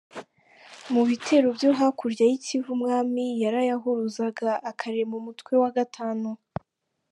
Mu bitero byo hakurya y’i Kivu, Umwami yarayahuruzaga akarema umutwe wa gatanu.